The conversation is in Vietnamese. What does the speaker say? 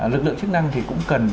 lực lượng chức năng thì cũng cần